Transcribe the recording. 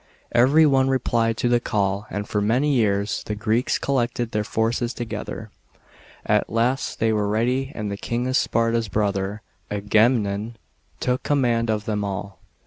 Every one re plied to the call, and for many years, the Greeks collected their forces together. At last they were ready, and the King of Sparta's brother, Aga memnon, took command of them all.